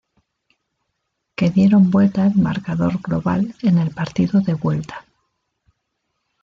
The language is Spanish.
Que dieron vuelta el marcador global en el partido de vuelta.